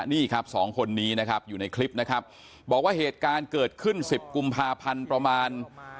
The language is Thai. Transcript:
นี่ครับสองคนนี้นะครับอยู่ในคลิปนะครับบอกว่าเหตุการณ์เกิดขึ้นสิบกุมภาพันธ์ประมาณ